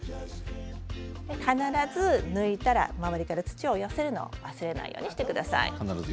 必ず抜いたら周りから土を寄せるのを忘れないようにしてください。